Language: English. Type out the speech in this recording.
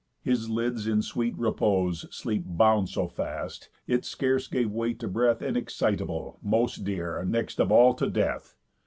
His lids in sweet repose Sleep bound so fast, it scarce gave way to breath Inexcitable, most dear, next of all to death.